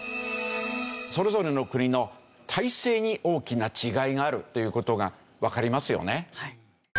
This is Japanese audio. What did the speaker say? それぞれの国の体制に大きな違いがあるという事がわかりますよね。